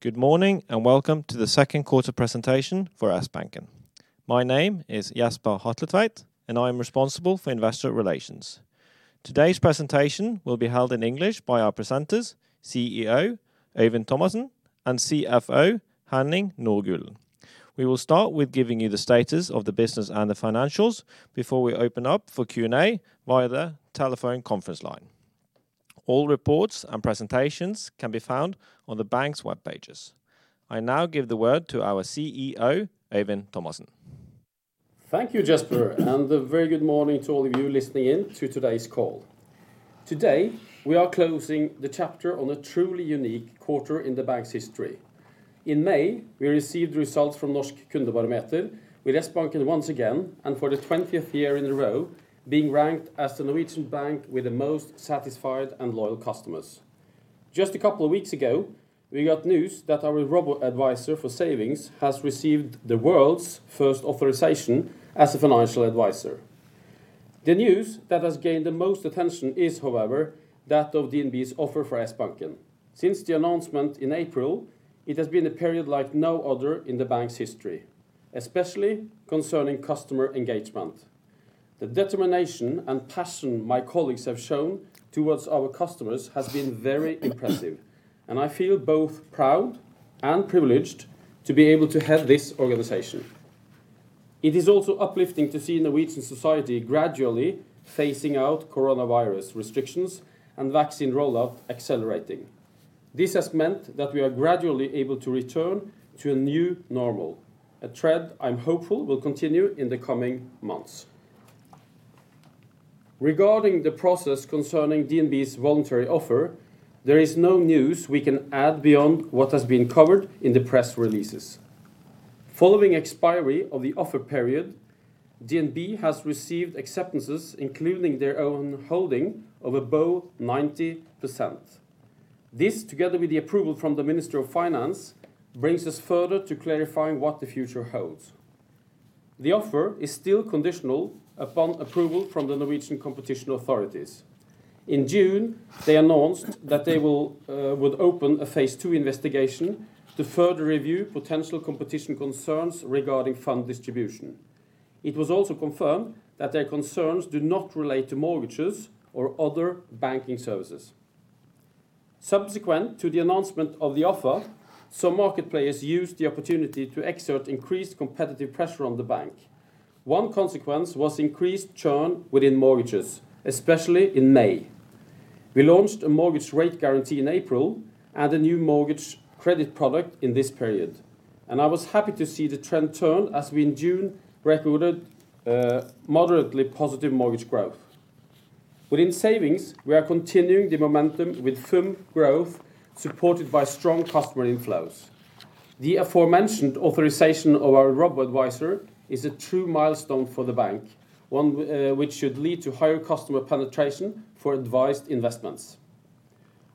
Good morning, and welcome to the second quarter presentation for Sbanken. My name is Jesper Hatletveit, and I am responsible for Investor Relations. Today's presentation will be held in English by our presenters, CEO Øyvind Thomassen, and CFO Henning Nordgulen. We will start with giving you the status of the business and the financials before we open up for Q&A via the telephone conference line. All reports and presentations can be found on the bank's web pages. I now give the word to our CEO, Øyvind Thomassen. Thank you, Jesper, and a very good morning to all of you listening in to today's call. Today, we are closing the chapter on a truly unique quarter in the bank's history. In May, we received results from Norsk Kundebarometer with Sbanken once again, and for the 20th year in a row, being ranked as the Norwegian bank with the most satisfied and loyal customers. Just a couple of weeks ago, we got news that our robo-advisor for savings has received the world's 1st authorization as a financial advisor. The news that has gained the most attention is, however, that of DNB's offer for Sbanken. Since the announcement in April, it has been a period like no other in the bank's history, especially concerning customer engagement. The determination and passion my colleagues have shown towards our customers has been very impressive, and I feel both proud and privileged to be able to head this organization. It is also uplifting to see the Norwegian society gradually phasing out coronavirus restrictions and vaccine rollout accelerating. This has meant that we are gradually able to return to a new normal, a trend I'm hopeful will continue in the coming months. Regarding the process concerning DNB's voluntary offer, there is no news we can add beyond what has been covered in the press releases. Following expiry of the offer period, DNB has received acceptances, including their own holding of above 90%. This, together with the approval from the Minister of Finance, brings us further to clarifying what the future holds. The offer is still conditional upon approval from the Norwegian competition authorities. In June, they announced that they would open a phase two investigation to further review potential competition concerns regarding fund distribution. It was also confirmed that their concerns do not relate to mortgages or other banking services. Subsequent to the announcement of the offer, some market players used the opportunity to exert increased competitive pressure on the bank. One consequence was increased churn within mortgages, especially in May. We launched a mortgage rate guarantee in April and a new mortgage credit product in this period, and I was happy to see the trend turn as we, in June, recorded moderately positive mortgage growth. Within savings, we are continuing the momentum with firm growth supported by strong customer inflows. The aforementioned authorization of our robo-advisor is a true milestone for the bank, one which should lead to higher customer penetration for advised investments.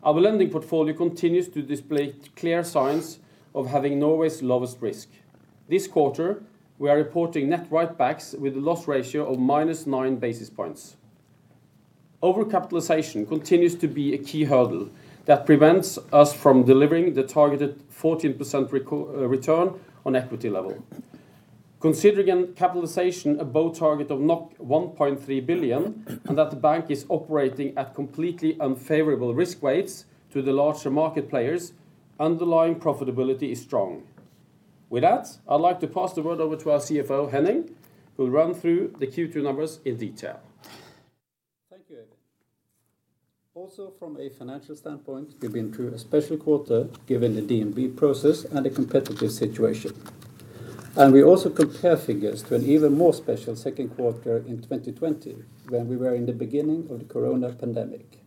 Our lending portfolio continues to display clear signs of having Norway's lowest risk. This quarter, we are reporting net write-backs with a loss ratio of minus nine basis points. Over-capitalization continues to be a key hurdle that prevents us from delivering the targeted 14% return on equity level. Considering capitalization above target of 1.3 billion and that the bank is operating at completely unfavorable risk weights to the larger market players, underlying profitability is strong. With that, I'd like to pass the word over to our CFO, Henning, who will run through the Q2 numbers in detail. Thank you, Øyvind. Also from a financial standpoint, we've been through a special quarter given the DNB process and the competitive situation, and we also compare figures to an even more special second quarter in 2020 when we were in the beginning of the corona pandemic.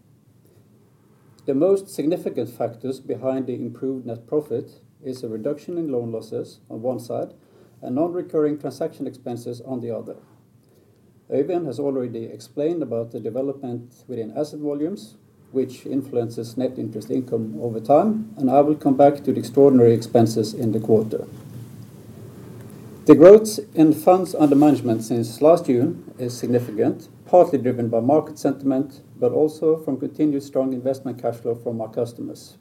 The most significant factors behind the improved net profit is a reduction in loan losses on one side and non-recurring transaction expenses on the other. Øyvind has already explained about the development within asset volumes, which influences net interest income over time, and I will come back to the extraordinary expenses in the quarter. The growth in funds under management since last June is significant, partly driven by market sentiment, but also from continued strong investment cash flow from our customers.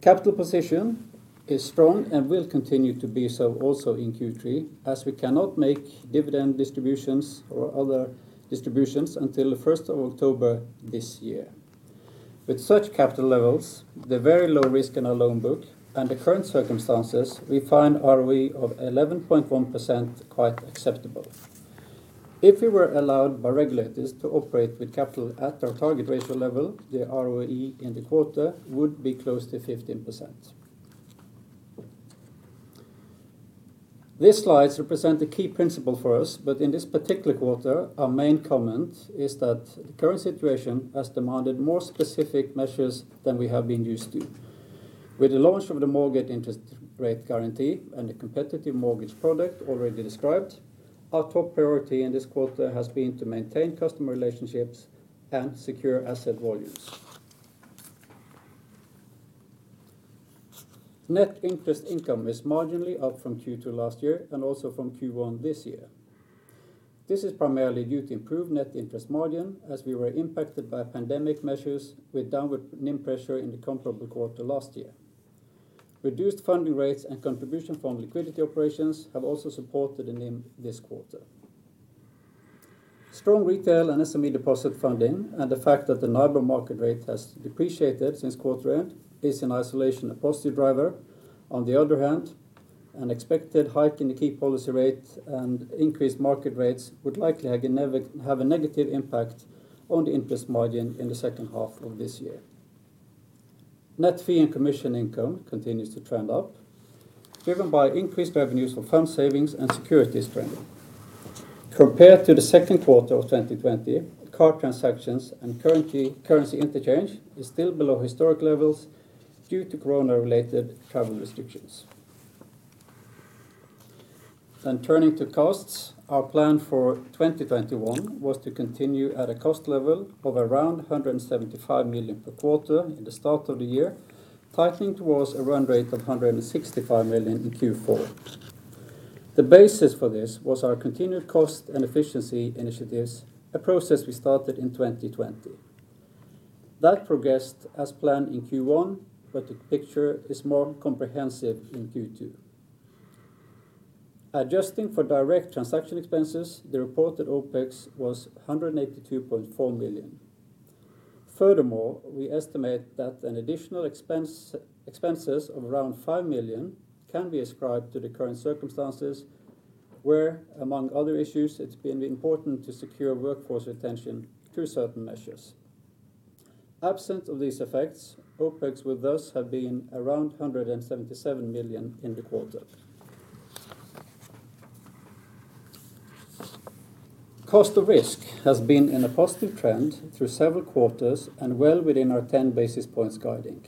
Capital position is strong and will continue to be so also in Q3, as we cannot make dividend distributions or other distributions until the 1st of October this year. With such capital levels, the very low risk in our loan book and the current circumstances, we find ROE of 11.1% quite acceptable. If we were allowed by regulators to operate with capital at our target ratio level, the ROE in the quarter would be close to 15%. These slides represent a key principle for us, but in this particular quarter, our main comment is that the current situation has demanded more specific measures than we have been used to. With the launch of the mortgage interest rate guarantee and the competitive mortgage product already described, our top priority in this quarter has been to maintain customer relationships and secure asset volumes. Net interest income is marginally up from Q2 last year and also from Q1 this year. This is primarily due to improved net interest margin, as we were impacted by pandemic measures with downward NIM pressure in the comparable quarter last year. Reduced funding rates and contribution from liquidity operations have also supported the NIM this quarter. Strong retail and SME deposit funding and the fact that the NIBOR market rate has depreciated since quarter end is, in isolation, a positive driver. On the other hand, an expected hike in the key policy rate and increased market rates would likely have a negative impact on the interest margin in the second half of this year. Net fee and commission income continues to trend up, driven by increased revenues from fund savings and securities trading. Compared to Q2 2020, card transactions and currency interchange is still below historic levels due to corona related travel restrictions. Turning to costs, our plan for 2021 was to continue at a cost level of around 175 million per quarter in the start of the year, tightening towards a run rate of 165 million in Q4. The basis for this was our continued cost and efficiency initiatives, a process we started in 2020. That progressed as planned in Q1, but the picture is more comprehensive in Q2. Adjusting for direct transaction expenses, the reported OpEx was 182.4 million. Furthermore, we estimate that an additional expenses of around 5 million can be ascribed to the current circumstances where, among other issues, it's been important to secure workforce retention through certain measures. Absent of these effects, OpEx will thus have been around 177 million in the quarter. Cost of risk has been in a positive trend through several quarters and well within our 10 basis points guiding.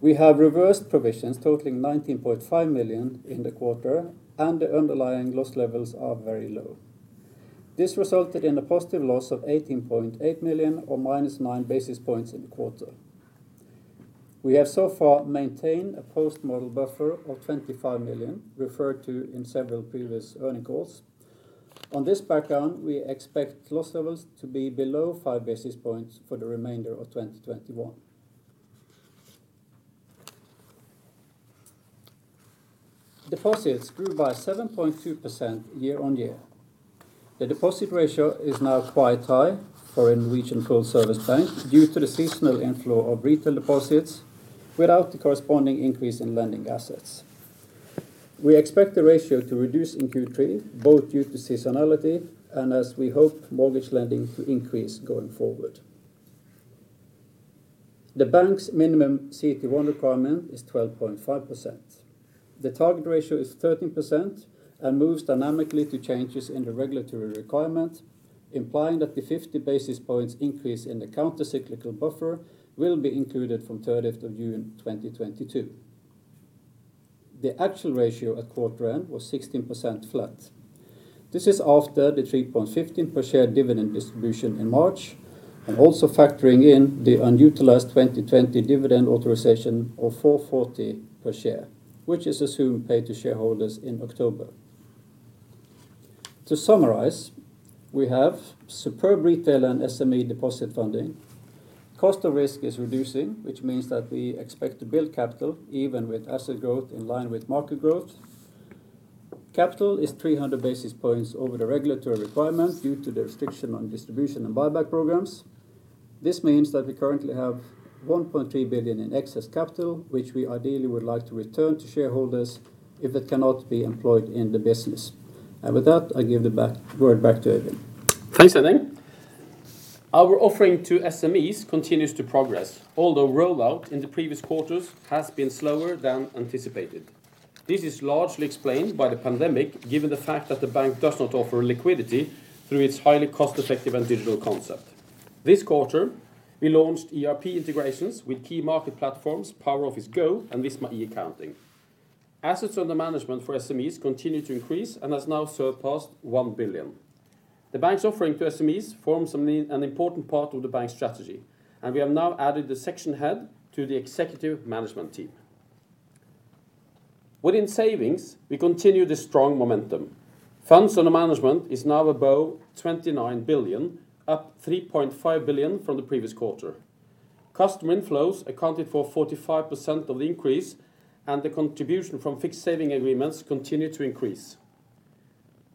We have reversed provisions totaling 19.5 million in the quarter, and the underlying loss levels are very low. This resulted in a positive loss of 18.8 million, or -9 basis points in the quarter. We have so far maintained a post-model buffer of 25 million, referred to in several previous earning calls. On this background, we expect loss levels to be below 5 basis points for the remainder of 2021. Deposits grew by 7.2% year-on-year. The deposit ratio is now quite high for a Norwegian full service bank due to the seasonal inflow of retail deposits without the corresponding increase in lending assets. We expect the ratio to reduce in Q3, both due to seasonality and as we hope mortgage lending to increase going forward. The bank's minimum CET1 requirement is 12.5%. The target ratio is 13% and moves dynamically to changes in the regulatory requirement, implying that the 50 basis points increase in the countercyclical buffer will be included from June 30, 2022. The actual ratio at quarter end was 16% flat. This is after the 3.15 per share dividend distribution in March, also factoring in the unutilized 2020 dividend authorization of 4.40 per share, which is assumed paid to shareholders in October. To summarize, we have superb retail and SME deposit funding. Cost of risk is reducing, which means that we expect to build capital even with asset growth in line with market growth. Capital is 300 basis points over the regulatory requirement due to the restriction on distribution and buyback programs. This means that we currently have 1.3 billion in excess capital, which we ideally would like to return to shareholders if it cannot be employed in the business. With that, I give the word back to Øyvind. Thanks, Henning. Our offering to SMEs continues to progress, although rollout in the previous quarters has been slower than anticipated. This is largely explained by the pandemic, given the fact that the bank does not offer liquidity through its highly cost effective and digital concept. This quarter, we launched ERP integrations with key market platforms PowerOffice Go and Visma eAccounting. Assets under management for SMEs continue to increase and has now surpassed 1 billion. The bank's offering to SMEs forms an important part of the bank's strategy, and we have now added the section head to the executive management team. Within savings, we continue the strong momentum. Funds under management is now above 29 billion, up 3.5 billion from the previous quarter. Customer inflows accounted for 45% of the increase, and the contribution from fixed saving agreements continued to increase.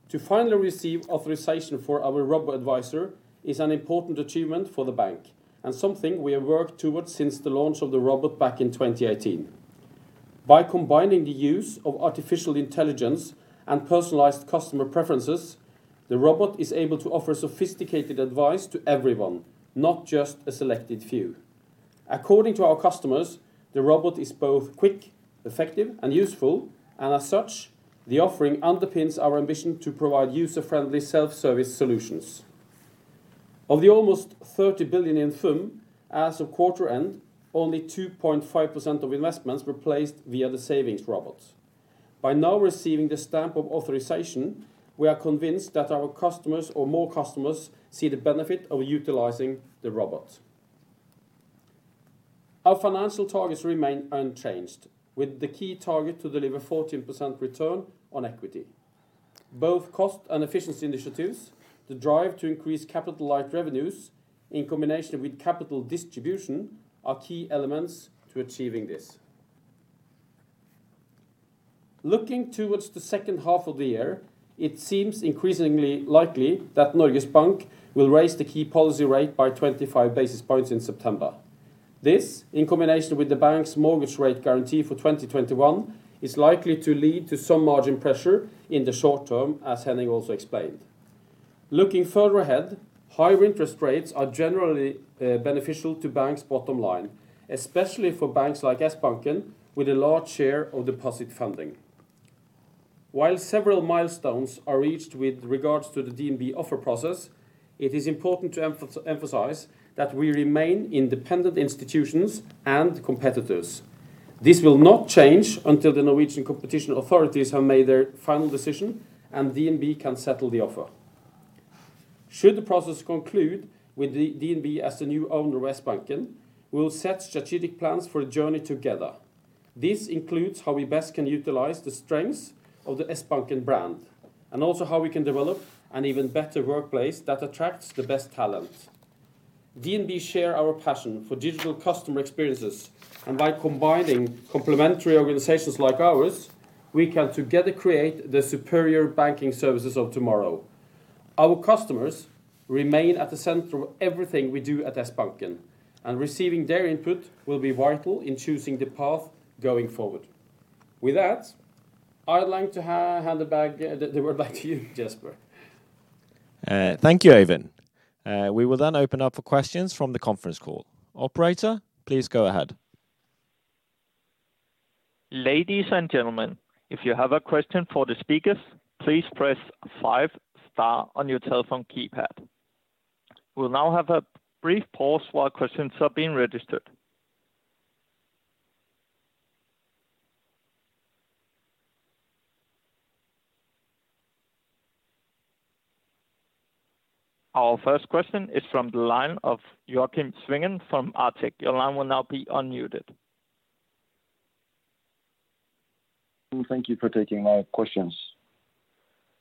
To finally receive authorization for our robo-advisor is an important achievement for the bank and something we have worked towards since the launch of the robot back in 2018. By combining the use of artificial intelligence and personalized customer preferences, the robot is able to offer sophisticated advice to everyone, not just a selected few. According to our customers, the robot is both quick, effective and useful, and as such, the offering underpins our ambition to provide user-friendly self-service solutions. Of the almost 30 billion in FUM as of quarter end, only 2.5% of investments were placed via the savings robot. By now receiving the stamp of authorization, we are convinced that more customers see the benefit of utilizing the robot. Our financial targets remain unchanged, with the key target to deliver 14% return on equity. Both cost and efficiency initiatives, the drive to increase capital-light revenues in combination with capital distribution are key elements to achieving this. Looking toward the second half of the year, it seems increasingly likely that Norges Bank will raise the key policy rate by 25 basis points in September. This, in combination with the bank's mortgage rate guarantee for 2021, is likely to lead to some margin pressure in the short term, as Henning also explained. Looking further ahead, higher interest rates are generally beneficial to banks' bottom line, especially for banks like Sbanken with a large share of deposit funding. While several milestones are reached with regards to the DNB offer process, it is important to emphasize that we remain independent institutions and competitors. This will not change until the Norwegian competition authorities have made their final decision and DNB can settle the offer. Should the process conclude with DNB as the new owner of Sbanken, we will set strategic plans for a journey together. This includes how we best can utilize the strengths of the Sbanken brand, and also how we can develop an even better workplace that attracts the best talent. DNB share our passion for digital customer experiences, and by combining complementary organizations like ours, we can together create the superior banking services of tomorrow. Our customers remain at the center of everything we do at Sbanken, and receiving their input will be vital in choosing the path going forward. With that, I'd like to hand the word back to you, Jesper. Thank you, Øyvind. We will then open up for questions from the conference call. Operator, please go ahead. Ladies and gentlemen, if you have a question for the speakers, please press five star on your telephone keypad. We'll now have a brief pause while questions are being registered. Our first question is from the line of Joakim Svingen from Arctic. Your line will now be unmuted. Thank you for taking my questions.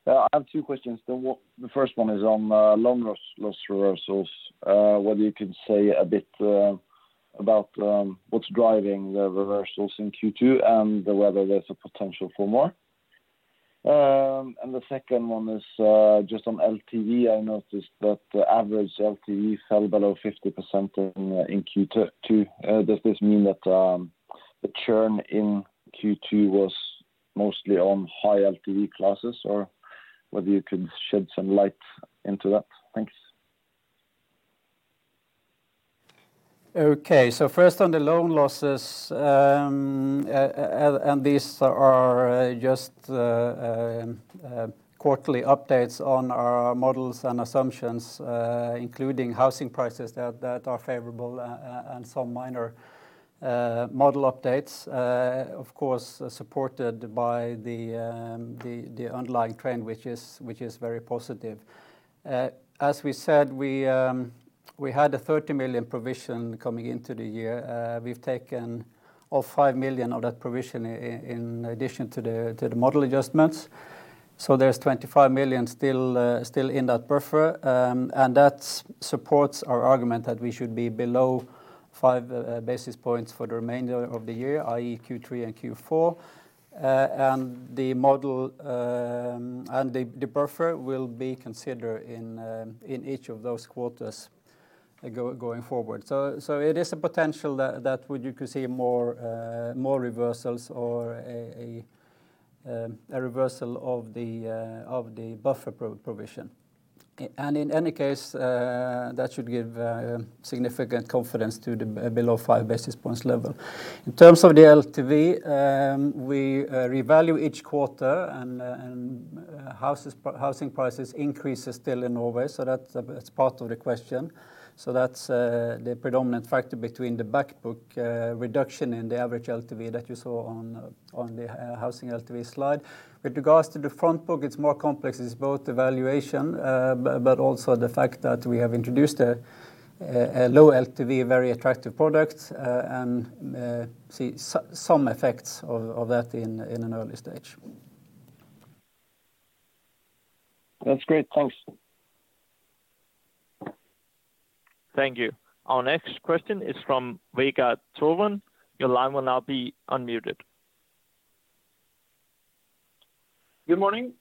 I have two questions. The first one is on loan loss reversals, whether you could say a bit about what's driving the reversals in Q2 and whether there's a potential for more. The second one is just on LTV. I noticed that the average LTV fell below 50% in Q2. Does this mean that the churn in Q2 was mostly on high LTV classes? Whether you could shed some light into that. Thanks. First on the loan losses, these are just quarterly updates on our models and assumptions, including housing prices that are favorable and some minor model updates, of course, supported by the underlying trend, which is very positive. As we said, we had a 30 million provision coming into the year. We've taken off 5 million of that provision in addition to the model adjustments. There's 25 million still in that buffer, and that supports our argument that we should be below 5 basis points for the remainder of the year, i.e., Q3 and Q4. The buffer will be considered in each of those quarters going forward. It is a potential that you could see more reversals or a reversal of the buffer provision. In any case, that should give significant confidence to the below 5 basis points level. In terms of the LTV, we revalue each quarter and housing prices increases still in Norway. That's part of the question. That's the predominant factor between the back book reduction in the average LTV that you saw on the housing LTV slide. With regards to the front book, it's more complex. It's both the valuation, but also the fact that we have introduced a low LTV, very attractive product, and see some effects of that in an early stage. That's great. Thanks. Thank you. Our next question is from Vegard Toverud. Your line will now be unmuted. Good morning.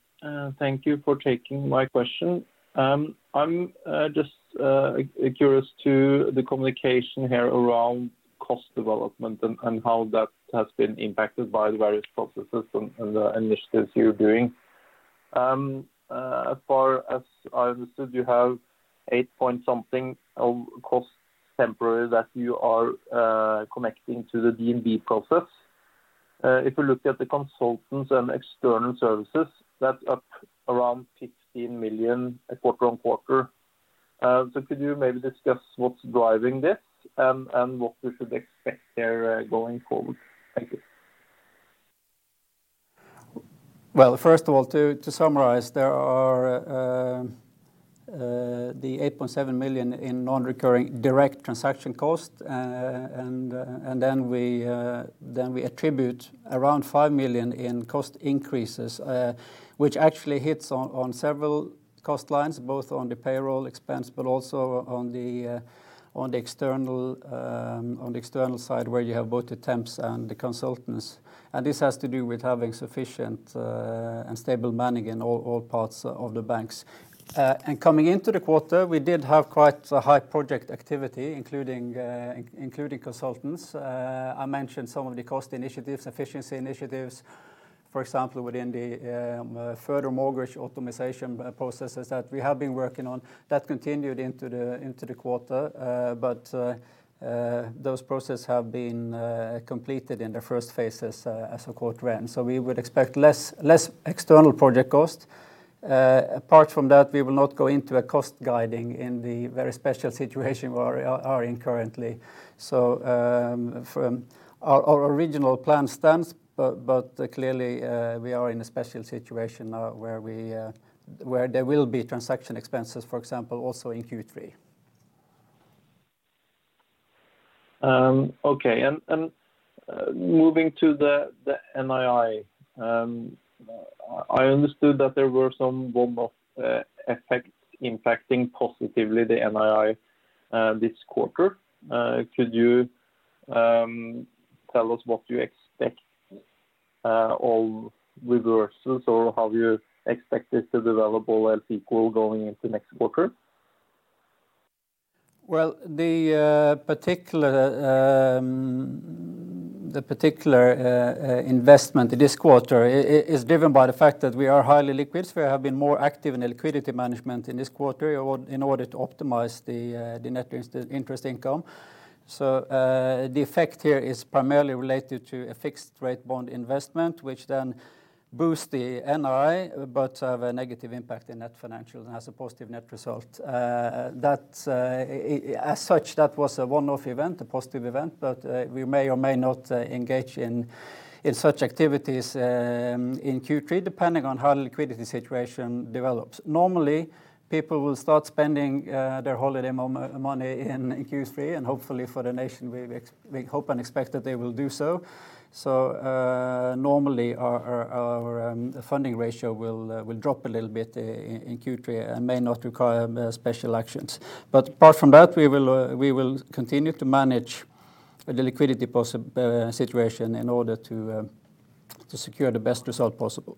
Thank you for taking my question. I'm just curious to the communication here around cost development and how that has been impacted by the various processes and the initiatives you're doing. As far as I understood, you have 8 point something of cost temporary that you are connecting to the DNB process. If you look at the consultants and external services, that's up around 15 million quarter-on-quarter. Could you maybe discuss what's driving this and what we should expect there going forward? Thank you. Well, first of all, to summarize, there are the 8.7 million in non-recurring direct transaction costs. Then we attribute around 5 million in cost increases, which actually hits on several cost lines, both on the payroll expense but also on the external side, where you have both the temps and the consultants. This has to do with having sufficient and stable manning in all parts of the banks. Coming into the quarter, we did have quite high project activity, including consultants. I mentioned some of the cost initiatives, efficiency initiatives, for example, within the further mortgage optimization processes that we have been working on. That continued into the quarter. Those processes have been completed in the first phases as a quarter end. We would expect less external project costs. Apart from that, we will not go into a cost guiding in the very special situation we are in currently. Our original plan stands, but clearly, we are in a special situation now where there will be transaction expenses, for example, also in Q3. Okay. Moving to the NII. I understood that there were some effects impacting positively the NII this quarter. Could you tell us what you expect of reverses or how you expect it to develop or else equal going into next quarter? The particular investment this quarter is driven by the fact that we are highly liquid. We have been more active in liquidity management in this quarter in order to optimize the net interest income. The effect here is primarily related to a fixed rate bond investment, which then boosts the NII but have a negative impact in net financials and has a positive net result. As such, that was a one-off event, a positive event, but we may or may not engage in such activities in Q3, depending on how the liquidity situation develops. Normally, people will start spending their holiday money in Q3, and hopefully for the nation, we hope and expect that they will do so. Normally, our funding ratio will drop a little bit in Q3 and may not require special actions. Apart from that, we will continue to manage the liquidity situation in order to secure the best result possible.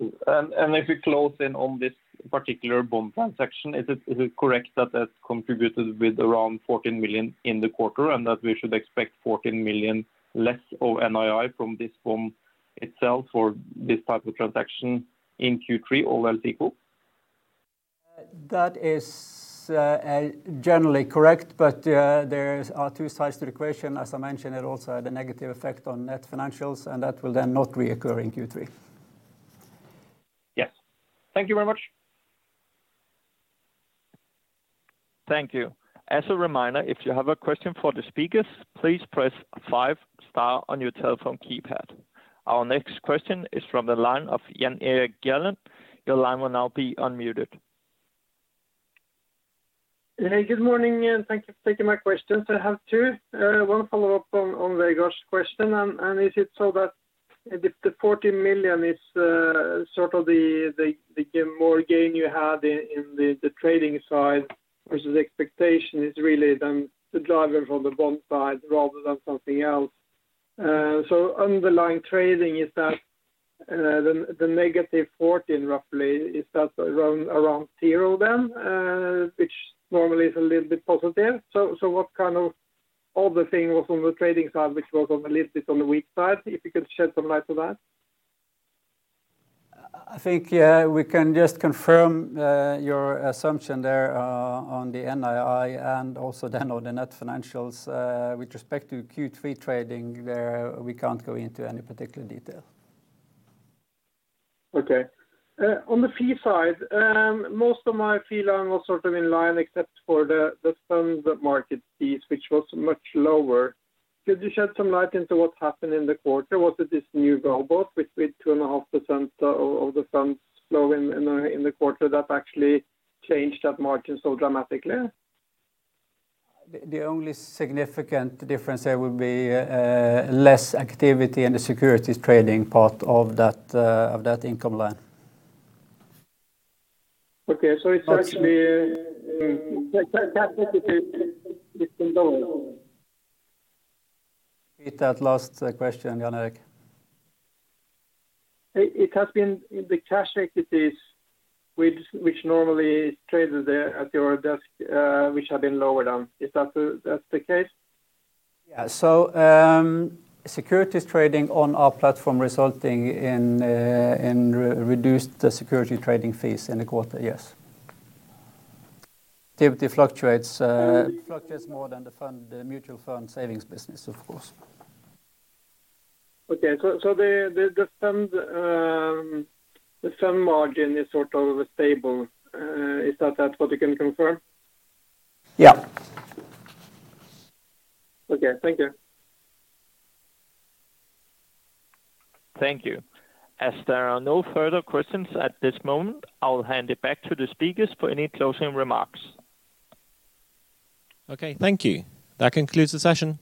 If we close in on this particular bond transaction, is it correct that that contributed with around 14 million in the quarter and that we should expect 14 million less of NII from this bond itself or this type of transaction in Q3 or else equal? That is generally correct, but there are two sides to the equation. As I mentioned, it also had a negative effect on net financials, and that will then not reoccur in Q3. Yes. Thank you very much. Thank you. As a reminder, if you have a question for the speakers, please press five star on your telephone keypad. Our next question is from the line of Jan Erik Gjerland. Hey, good morning, and thank you for taking my questions. I have two. One follow-up on Vegard's question, and is it so that if the 14 million is the more gain you had in the trading side versus expectation is really then the driver from the bond side rather than something else. Underlying trading is that the negative 14, roughly, is that around zero then, which normally is a little bit positive. What other thing was on the trading side, which was a little bit on the weak side? If you could shed some light on that. I think we can just confirm your assumption there on the NII and also then on the net financials. With respect to Q3 trading there, we can't go into any particular detail. Okay. On the fee side, most of my fee line was in line except for the funds market fees, which was much lower. Could you shed some light into what happened in the quarter? Was it this new global with 2.5% of the funds flow in the quarter that actually changed that margin so dramatically? The only significant difference there will be less activity in the securities trading part of that income line. Okay. It's Repeat that last question, Jan Erik. It has been the cash equities which normally is traded at your desk which have been lower down. Is that the case? Yeah. Securities trading on our platform resulting in reduced security trading fees in the quarter, yes. And- Fluctuates more than the mutual fund savings business, of course. Okay. The fund margin is stable. Is that what you can confirm? Yeah. Okay. Thank you. Thank you. As there are no further questions at this moment, I will hand it back to the speakers for any closing remarks. Okay. Thank you. That concludes the session.